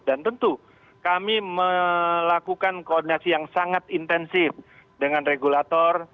dan tentu kami melakukan koordinasi yang sangat intensif dengan regulator